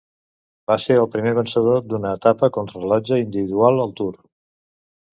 Va ser el primer vencedor d'una etapa contra-rellotge individual al Tour.